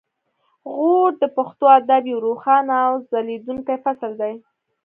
غور د پښتو ادب یو روښانه او ځلیدونکی فصل دی